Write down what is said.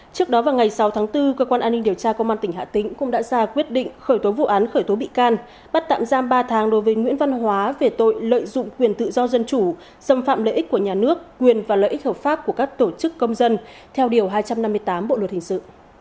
trước đó vào ngày sáu tháng bốn cơ quan an ninh điều tra công an tỉnh hà tĩnh cũng đã ra quyết định khởi tố vụ án khởi tố bị can bắt tạm giam ba tháng đối với nguyễn văn hóa về tội lợi dụng quyền tự do dân chủ xâm phạm lợi ích của nhà nước quyền và lợi ích hợp pháp của các tổ chức công dân theo điều hai trăm năm mươi tám bộ luật hình sự